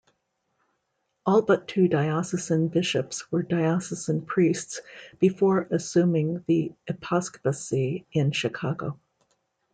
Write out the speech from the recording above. All but two diocesan bishops were diocesan priests before assuming the episcopacy in Chicago.